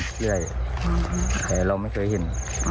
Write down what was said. อะไรอืมแต่เราไม่เคยหินอ๋อ